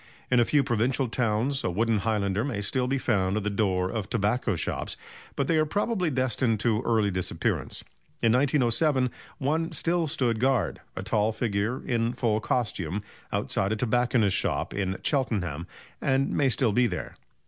In a few provincial towns a wooden highlander may still be found at the door of tobacco shops, but they are probably destined to early disappearance. In 1907 one still stood guard a tall figure in full costume outside a tobacconist's shop in Cheltenham, and may still be there.